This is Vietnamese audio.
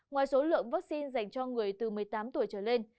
ngoài số lượng vaccine dành cho người từ một mươi tám tuổi trở lên